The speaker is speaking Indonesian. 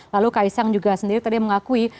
lalu ks sang juga sendiri tadi mengakui